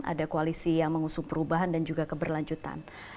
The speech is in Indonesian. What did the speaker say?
ada koalisi yang mengusung perubahan dan juga keberlanjutan